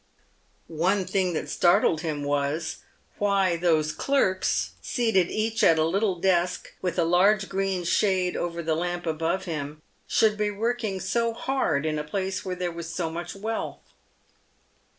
One thing that startled him was, why those clerks, seated each at a little desk, with a large green shade over the lamp above him, should be working so hard in a place where there was so much wealth.